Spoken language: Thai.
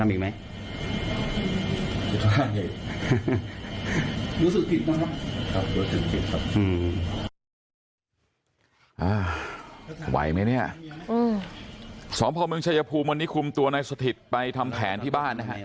ไหวไหมเนี่ยสพเมืองชายภูมิวันนี้คุมตัวนายสถิตไปทำแผนที่บ้านนะฮะ